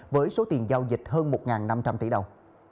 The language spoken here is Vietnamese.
với số tiền giao dịch hơn một năm trăm linh tỷ đồng